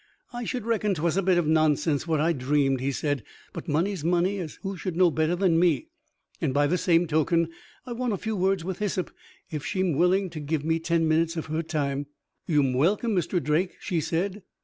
"I should reckon 'twas a bit of nonsense what I'd dreamed," he said; "but money's money, as who should know better than me? And, by the same token, I want a few words with Hyssop if she'm willing to give me ten minutes of her time." "You'm welcome, Mr. Drake," she said.